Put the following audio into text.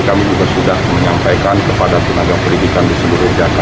kami juga sudah menyampaikan dan juga di sekolah sekolah yang berpotensi kami juga sudah menyampaikan